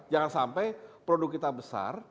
jangan sampai produk kita besar